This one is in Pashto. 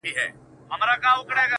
زه د هنرونو له کماله وځم!